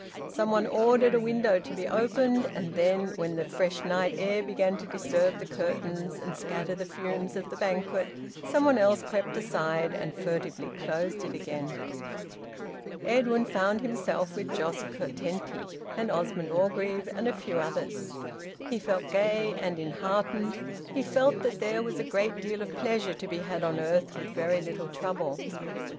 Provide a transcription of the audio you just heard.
Some one ordered a window to be opened, and then, when the fresh night air began to disturb the curtains and scatter the fumes of the banquet, some one else crept aside and furtively closed it again. Edwin found himself with Jos Curtenty and Osmond Orgreave and a few others. He felt gay and enheartened; he felt that there was a great deal of pleasure to be had on earth with very little trouble.